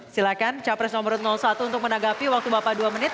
silakan capres nomor satu untuk menanggapi waktu bapak dua menit